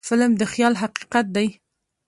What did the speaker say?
فلم د خیال حقیقت دی